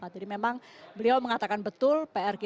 jadi memang beliau mengatakan betul pr kita habiskan